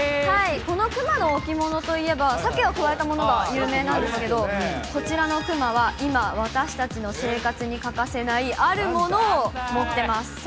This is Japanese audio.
このくまの置物といえば、さけをくわえたものが有名なんですけど、こちらのくまは、今、私たちの生活に欠かせない、あるものを持ってます。